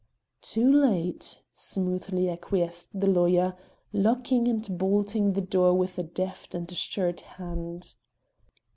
"Too late!" smoothly acquiesced the lawyer, locking and bolting the door with a deft and assured hand.